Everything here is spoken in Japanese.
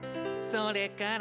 「それから」